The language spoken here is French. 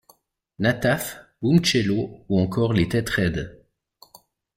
Nataf, Bumcello ou encore les Têtes Raides.